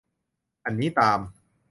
อันนี้ตาม